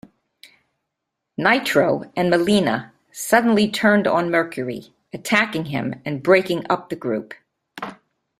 Nitro and Melina suddenly turned on Mercury, attacking him and breaking up the group.